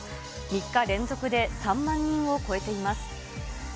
３日連続で３万人を超えています。